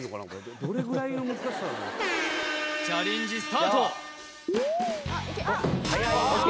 チャレンジスタートＯＫ